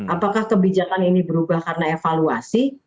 apakah kebijakan ini berubah karena evaluasi